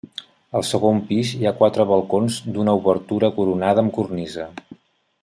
Al segon pis hi ha quatre balcons d'una obertura coronada amb cornisa.